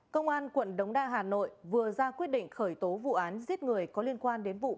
công an quận đống đa hà nội vừa ra quyết định khởi tố vụ án giết người có liên quan đến vụ